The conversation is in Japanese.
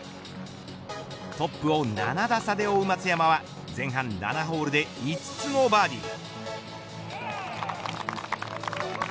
トップを７打差で追う松山は前半７ホールで５つのバーディー。